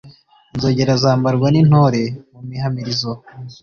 Inzogera zambarwa n'intore mu mihamirizo,